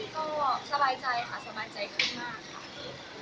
ก็สบายใจค่ะสบายใจขึ้นมากค่ะ